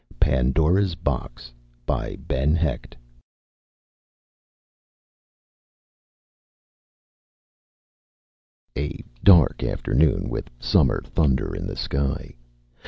'" PANDORA'S BOX A dark afternoon with summer thunder in the sky.